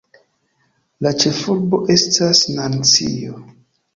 La ĉefurbo estas Nancio.